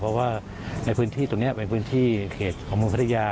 เพราะว่าในพื้นที่ตรงนี้เป็นพื้นที่เขตของเมืองพัทยา